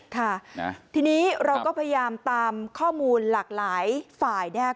ค่ะทีนี้เราก็พยายามตามข้อมูลหลากหลายฝ่ายนะครับ